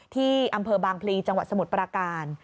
ที่อำเภอบางพลีจังหวัดสมุทรปราการ